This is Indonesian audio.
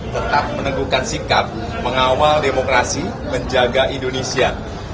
tetap meneguhkan sikap mengawal demokrasi menjaga indonesia